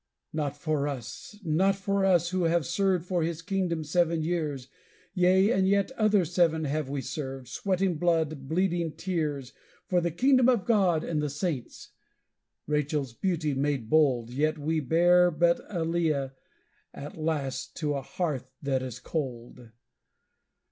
"Not for us, not for us! who have served for his kingdom seven years, Yea, and yet other seven have we served, sweating blood, bleeding tears, For the kingdom of God and the saints! Rachel's beauty made bold, Yet we bear but a Leah at last to a hearth that is cold!"